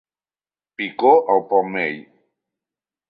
Picor al palmell.